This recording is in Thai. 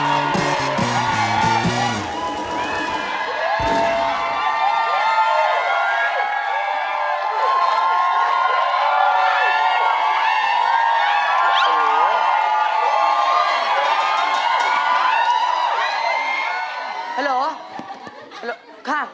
ฮัลโหลฮัลโหลค่ะ